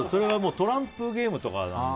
トランプゲームとかなんで。